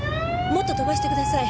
もっと飛ばしてください。